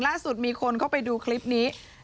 ล่าสุดมีคนเข้าไปดูคลิปนี้